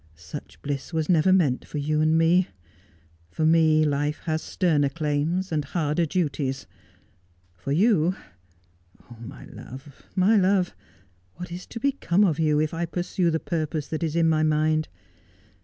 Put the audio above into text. Such bliss was never meant for you and me. Eor me life has sterner claims and harder duties. Eor you — oh, my love, my love, what is to become of you if I pursue the purpose that is in my mind